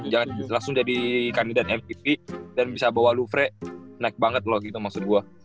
jangan langsung jadi kandidat mpv dan bisa bawa lufre naik banget loh gitu maksud gue